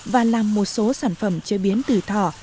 và làm một số sản phẩm chế biến từ thỏ